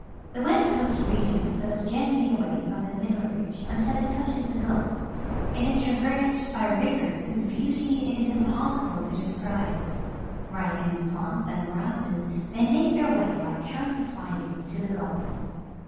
The west coast region slopes gently awa}"^ from the middle ridge until it touches the Gulf It is traversed by rivers whose beauty it is imjiossible to describe. Rising in swamps and morasses, they make their way by countless windings to the Gulf.